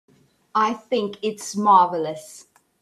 I think it's marvelous.